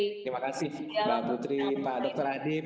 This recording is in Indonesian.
terima kasih mbak putri mbak dr radief